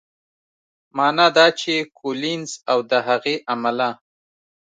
معنا دا چې کولینز او د هغې عمله